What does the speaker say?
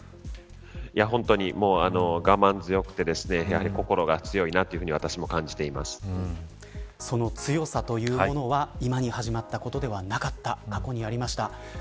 本当に我慢強くてやはり心が強いなとその強さというものは今に始まったことではなかった過去にありました。